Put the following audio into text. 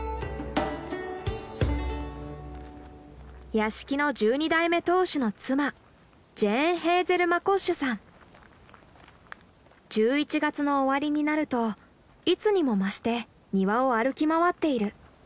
屋敷の１１月の終わりになるといつにも増して庭を歩き回っている。